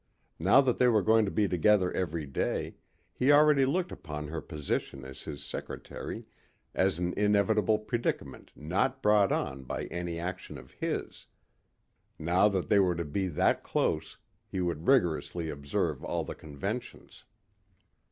Now that they were going to be together every day, he already looked upon her position as his secretary as an inevitable predicament not brought on by any action of his; now that they were to be that close, he would rigorously observe all the conventions.